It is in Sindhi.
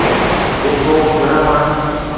جيڪو برهمڻ